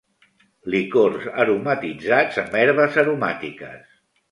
Licors aromatitzats amb herbes aromàtiques.